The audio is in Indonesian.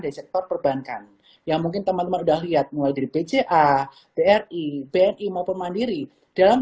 di sektor perbankan yang mungkin teman teman udah lihat mulai dari bca bri bni maupun mandiri dalam